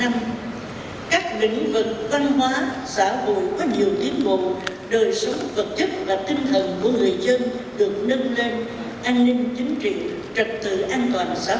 an ninh chính trị trật tự an toàn xã hội trên địa bàn được giữ vững